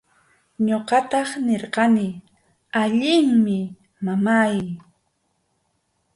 Ñuqataq nirqani: allinmi, mamáy.